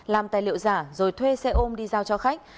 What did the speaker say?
làm tài liệu giả rồi thuê xe ôm đi giao cho khách